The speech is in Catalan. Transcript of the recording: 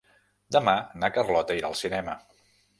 Demà na Carlota irà al cinema.